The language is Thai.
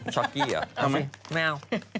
ช็อกกี้เหรอไม่เอา